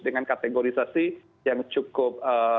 dengan kategorisasi yang cukup